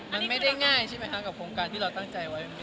มันไม่ได้ง่ายใช่ไหมคะกับโครงการที่เราตั้งใจไว้